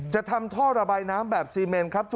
ทำท่อระบายน้ำแบบซีเมนครับ